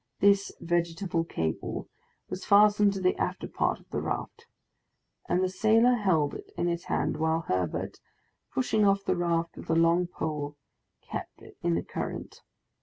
This vegetable cable was fastened to the after part of the raft, and the sailor held it in his hand while Herbert, pushing off the raft with a long pole, kept it in the current.